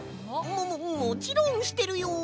もももちろんしてるよ！